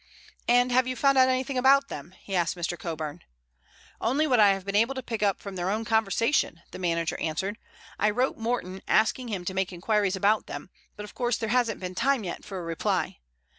"And have you found out anything about them?" he asked Mr. Coburn. "Only what I have been able to pick up from their own conversation," the manager answered. "I wrote Morton asking him to make inquiries about them, but of course there hasn't been time yet for a reply.